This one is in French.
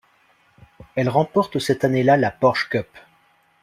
Elle remporte cette année-là la Porsche Cup.